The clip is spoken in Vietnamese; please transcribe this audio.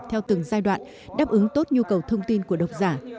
cho các nhu cầu thông tin của độc giả